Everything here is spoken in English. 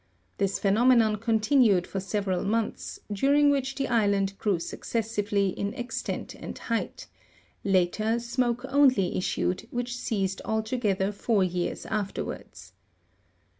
This pheno menon continued for several months, during which the island grew succes sively in extent and height; later, srnoke only issued, which ceased altoge. ther four years afterwards.